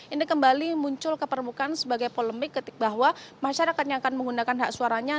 ini kembali muncul ke permukaan sebagai polemik ketika bahwa masyarakat yang akan menggunakan hak suaranya